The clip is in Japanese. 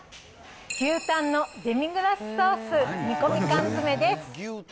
牛たんのデミグラスソース煮込み缶詰です。